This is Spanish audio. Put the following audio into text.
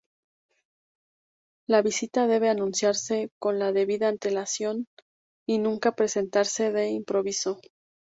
La visita debe anunciarse con la debida antelación y nunca presentarse de improviso.